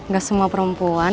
gak semua perempuan